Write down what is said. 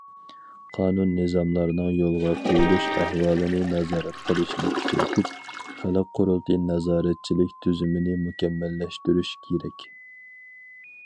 قانۇن- نىزاملارنىڭ يولغا قويۇلۇش ئەھۋالىنى نازارەت قىلىشنى كۈچەيتىپ، خەلق قۇرۇلتىيى نازارەتچىلىك تۈزۈمىنى مۇكەممەللەشتۈرۈش كېرەك.